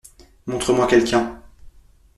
Montre-moi quelqu’un.